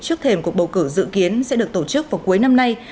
trước thềm cuộc bầu cử dự kiến sẽ được tổ chức vào cuối năm nay